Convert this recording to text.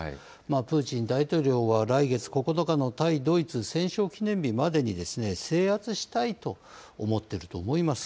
プーチン大統領は来月９日の対ドイツ戦勝記念日までに、制圧したいと思っていると思います。